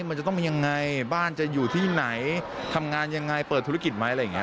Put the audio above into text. มันจะต้องเป็นยังไงบ้านจะอยู่ที่ไหนทำงานยังไงเปิดธุรกิจไหมอะไรอย่างนี้